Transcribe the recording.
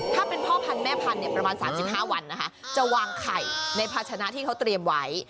ถ้าเป็นพ่อพันธุ์แม่พันธุ์ประมาณ๓๕วันนะคะจะวางไข่ในภาชนะที่เขาเตรียมไว้